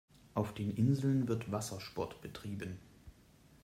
Auf den Inseln wird Wassersport betrieben.